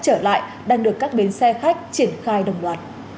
trở lại đang được các bến xe khách triển khai đồng loạt